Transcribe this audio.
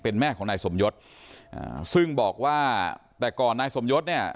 เป็นแม่ของนายสมยศอ่าซึ่งบอกว่าแต่ก่อนนายสมยศเนี่ย